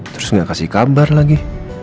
terus gak kasih kabar lagi